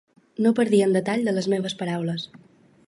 No perdien detall de les meves paraules.